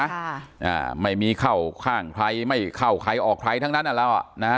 อ่าไม่มีเข้าข้างใครไม่เข้าใครออกใครทั้งนั้นอ่ะเราอ่ะนะฮะ